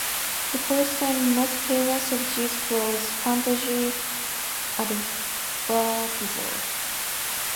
The first and most famous of these was "Fantasy Advertiser".